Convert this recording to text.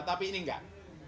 tapi ini enggak